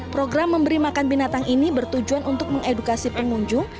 program memberi makan binatang ini bertujuan untuk mengedukasi pengunjung